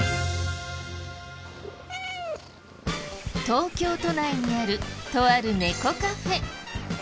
東京都内にあるとある猫カフェ。